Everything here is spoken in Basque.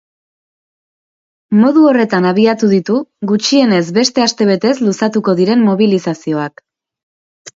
Modu horretan abiatu ditu gutxienez beste astebetez luzatuko diren mobilizazioak.